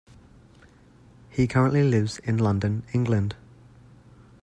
He currently lives in London, England.